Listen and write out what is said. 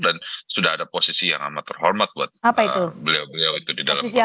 dan sudah ada posisi yang amat terhormat buat beliau itu di dalam partai golkar